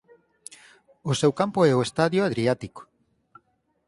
O seu campo é o estadio Adriático.